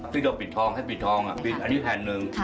ซึ่งเราปิดทองให้ปิดทองอันนี้แผ่นหนึ่ง